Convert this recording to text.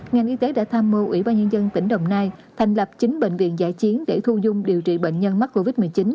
ngành y tế đã tham mưu ủy ban nhân dân tỉnh đồng nai thành lập chín bệnh viện giải chiến để thu dung điều trị bệnh nhân mắc covid một mươi chín